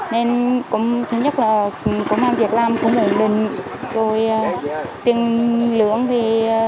nên cũng nhất là có làm việc làm không ở đường rồi tiền lượng thì